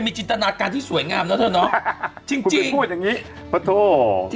สู้ยังงี้พระโทษ